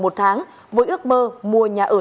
một tháng với ước mơ mua nhà ở